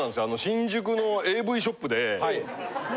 新宿のＡＶショップで。